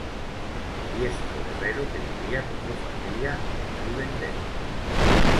Diestro guerrero que vivía con su familia en Rivendel.